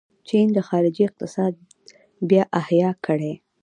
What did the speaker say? چین د تاریخي اقتصاد بیا احیا کړې.